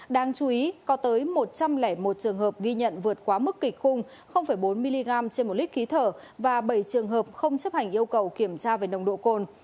đáng chú ý có tới một trăm linh một trường hợp ghi nhận vượt quá mức kịch khung bốn mg trên một lít khí thở và bảy trường hợp không chấp hành yêu cầu kiểm tra về nồng độ cồn